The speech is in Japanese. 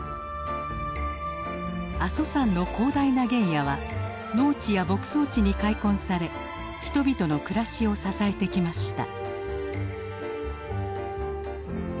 阿蘇山の広大な原野は農地や牧草地に開墾され人々の暮らしを支えてきました。